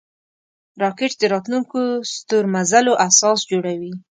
راکټ د راتلونکو ستورمزلو اساس جوړوي